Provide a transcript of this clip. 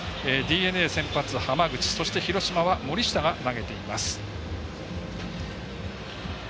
ＤｅＮＡ、先発、浜口そして、広島は森下が投げています。